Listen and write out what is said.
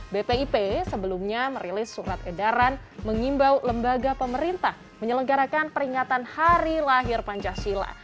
bpip sebelumnya merilis surat edaran mengimbau lembaga pemerintah menyelenggarakan peringatan hari lahir pancasila